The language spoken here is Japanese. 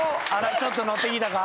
ちょっと乗ってきたか？